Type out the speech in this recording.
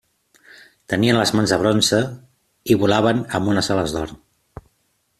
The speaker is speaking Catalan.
Tenien les mans de bronze i volaven amb unes ales d'or.